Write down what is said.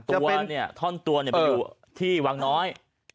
ตัวเนี่ยท่อนตัวไปอยู่ที่วังน้อย